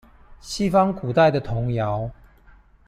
西方古代的童謠